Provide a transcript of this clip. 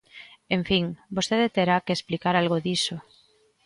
En fin, vostede terá que explicar algo diso.